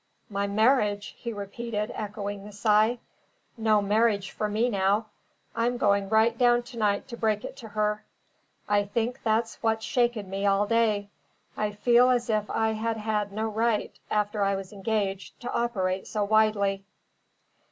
"My marriage!" he repeated, echoing the sigh. "No marriage for me now. I'm going right down to night to break it to her. I think that's what's shaken me all day. I feel as if I had had no right (after I was engaged) to operate so widely."